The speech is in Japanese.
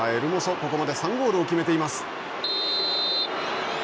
ここまで３ゴールを決めています。